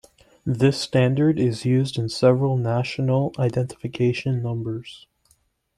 This standard is used in several national identification numbers.